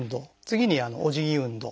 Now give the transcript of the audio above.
次に「おじぎ運動」。